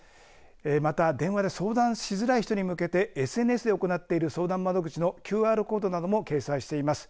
また、電話で相談しづらい人に向けてＳＮＳで行っている相談窓口のＱＲコードなども掲載しています。